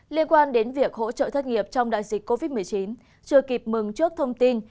liên quan đến việc hỗ trợ thất nghiệp trong đại dịch covid một mươi chín chưa kịp mừng trước thông tin